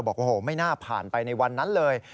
บอกว่าไม่น่าผ่านไปในวันนั้นเลย